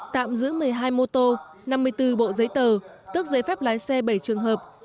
tạm giữ một mươi hai mô tô năm mươi bốn bộ giấy tờ tức giấy phép lái xe bảy trường hợp